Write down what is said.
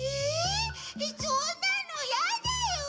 えそんなのやだよ！